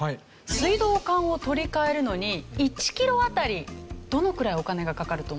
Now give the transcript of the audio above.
水道管を取り換えるのに１キロ当たりどのくらいお金がかかると思いますか？